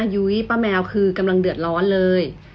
ยุ้ยป้าแมวคือกำลังเดือดร้อนเลย